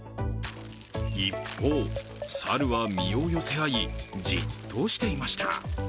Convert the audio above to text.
一方、猿は身を寄せ合いじっとしていました。